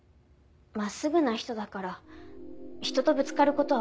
真っすぐな人だから人とぶつかる事は多かった。